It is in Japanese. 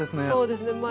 そうですね。